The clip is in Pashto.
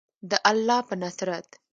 د الله په نصرت.